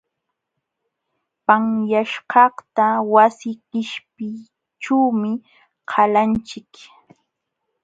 Panyaśhkaqta wasi qishpiyćhuumi qalanchik.